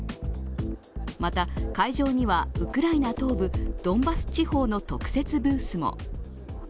また、会場にはウクライナ東部ドンバス地方の特設ブースも。